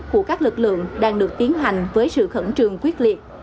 của các lực lượng đang được tiến hành với sự khẩn trương quyết liệt